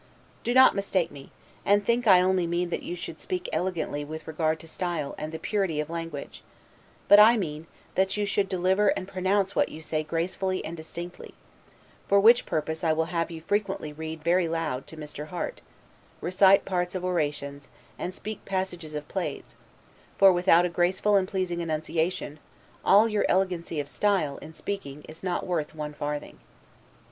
Do not mistake me, and think I only mean that you should speak elegantly with regard to style, and the purity of language; but I mean, that you should deliver and pronounce what you say gracefully and distinctly; for which purpose I will have you frequently read very loud, to Mr. Harte, recite parts of orations, and speak passages of plays; for, without a graceful and pleasing enunciation, all your elegancy of style, in speaking, is not worth one farthing.